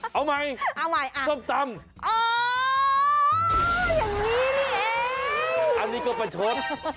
เอาใหม่ส้มตำอ๋ออย่างนี้นี่เองอันนี้ก็ไปชด